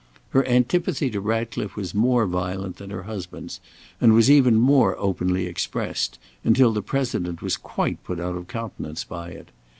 Her antipathy to Ratcliffe was more violent than her husband's, and was even more openly expressed, until the President was quite put out of countenance by it.